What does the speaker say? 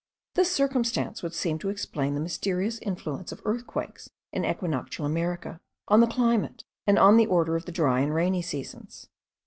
This circumstance would seem to explain the mysterious influence of earthquakes in equinoctial America, on the climate, and on the order of the dry and rainy seasons.